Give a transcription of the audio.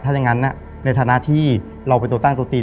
ถ้าอย่างนั้นในฐานะที่เราเป็นตัวตั้งตัวตี